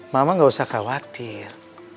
mama gak usah khawatir